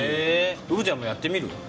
うぶちゃんもやってみる？